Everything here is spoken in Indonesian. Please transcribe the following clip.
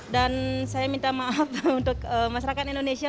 dan saya minta maaf untuk masyarakat indonesia